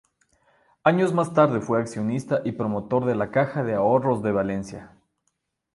Años más tarde fue accionista y promotor de la Caja de Ahorros de Valencia.